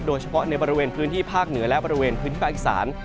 โดยเฉพาะในบริเวณพื้นที่ภาคเหนือและบริเวณพื้นที่ภาคอีสาน